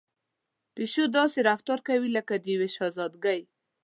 پيشو داسې رفتار کوي لکه د يوې شهزادګۍ.